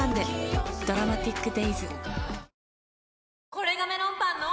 これがメロンパンの！